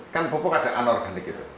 kan pupuk ada anorganik itu